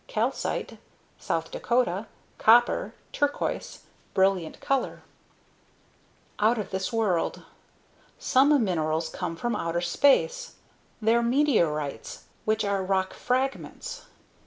calcite (S. Dakota), copper, turquoise (brilliant color) Out Of This World Some minerals come from outer space. They're meteorites, which are rock fragments.